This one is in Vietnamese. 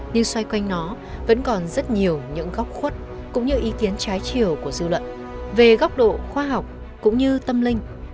nhưng xoay quanh nó vẫn còn rất nhiều những góc khuất cũng như ý kiến trái chiều của dư luận về góc độ khoa học cũng như tâm linh